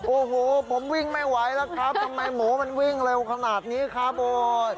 โอ้โหผมวิ่งไม่ไหวแล้วครับทำไมหมูมันวิ่งเร็วขนาดนี้ครับโอ๊ย